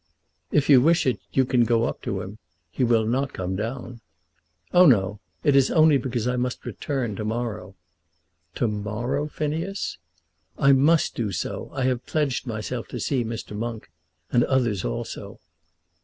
"If you wish it you can go up to him. He will not come down." "Oh, no. It is only because I must return to morrow." "To morrow, Phineas!" "I must do so. I have pledged myself to see Mr. Monk, and others also."